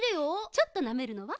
ちょっとなめるのは？